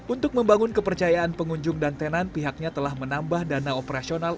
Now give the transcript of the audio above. untuk membangun kepercayaan pengunjung dan tenan pihaknya telah menambah dana operasional